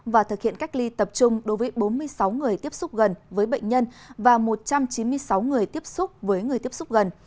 và thực hiện cách ly tập trung đối với bốn mươi sáu người tiếp xúc gần với bệnh nhân và một trăm chín mươi sáu người tiếp xúc với người tiếp xúc gần